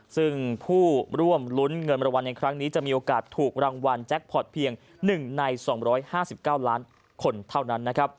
ซึ่งผู้ร่วมลุ้นเงินรางวัลในครั้งนี้จะมีโอกาสถูกรางวัลแจ็คพอร์ตเพียง๑ใน๒๕๙ล้านคนเท่านั้น